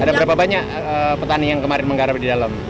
ada berapa banyak petani yang kemarin menggarap di dalam